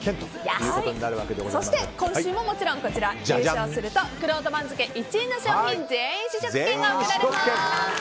そして今週ももちろん優勝するとくろうと番付１位の商品全員試食券が贈られます。